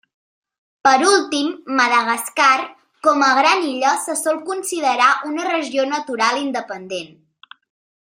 Per últim, Madagascar, com a gran illa, se sol considerar una regió natural independent.